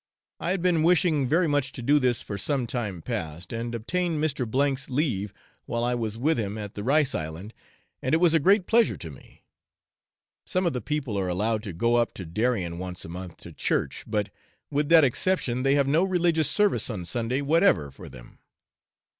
I had been wishing very much to do this for some time past, and obtained Mr. 's leave while I was with him at the Rice Island, and it was a great pleasure to me. Some of the people are allowed to go up to Darien once a month to church; but, with that exception, they have no religious service on Sunday whatever for them.